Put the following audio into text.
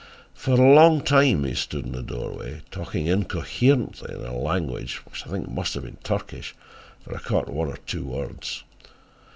"For a long time he stood in the doorway talking incoherently in a language which I think must have been Turkish, for I caught one or two words.